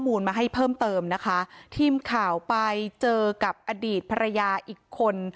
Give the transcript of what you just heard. มาให้เพิ่มเติมนะคะทีมข่าวไปเจอกับอดีตภรรยาอีกคน